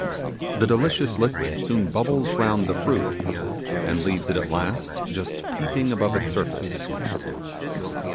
The delicious liquid soon bubbles round the fruit, and leaves it at last just peeping above its surface.